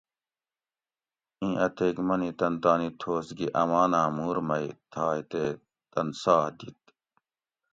ایں اتیک منی تن تانی تھوس گی اماناں مور مئی تھائے تے تن ساہ دِیت